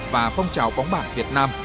và phong trào bóng bản việt nam